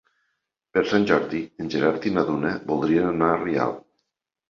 Per Sant Jordi en Gerard i na Duna voldrien anar a Rialp.